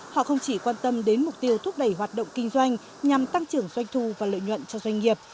họ không chỉ quan tâm đến mục tiêu thúc đẩy hoạt động kinh doanh nhằm tăng trưởng doanh thu và lợi nhuận cho doanh nghiệp